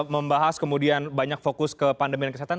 membahas kemudian banyak fokus ke pandemi dan kesehatan